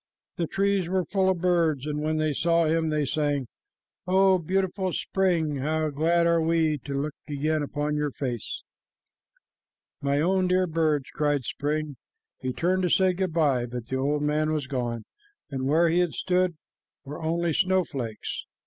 The trees were full of birds, and when they saw him, they sang, "O beautiful spring! glad are we to look again upon your face." "My own dear birds!" cried spring. He turned to say good by, but the old man was gone, and where he had stood were only snowflakes.